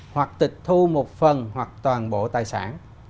hoặc tịch thu một phần hoặc toàn bộ tài sản